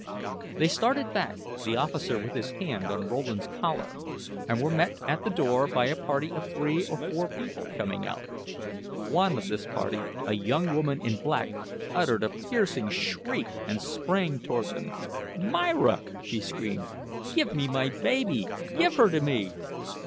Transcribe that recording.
They started back, the officer with his hand on Rowland's collar, and were met at the door by a party of three or four people coming out. One of this party, a young woman in black, uttered a piercing shriek and sprang toward them. "Myra!" she screamed. "Give me my baby give her to me."